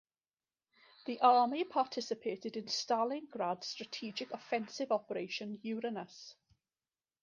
The Army participated in Stalingrad strategic offensive Operation Uranus.